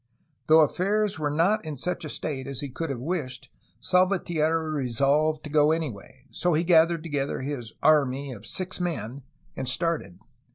Though affairs were not in such a state as he could have wished, Salvatierra resolved to go anyway; so he gathered together his *'army'' of six men and started.